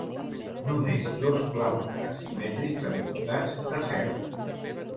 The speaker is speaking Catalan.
Només dos claustres simètrics envoltats de cel·les.